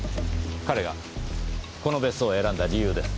彼がこの別荘を選んだ理由です。